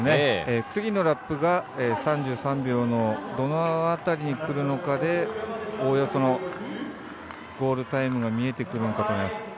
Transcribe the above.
次のラップが３３秒のどの辺りに来るのかでおおよそのゴールタイムが見えてくるかと思います。